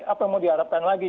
apa mau diharapkan lagi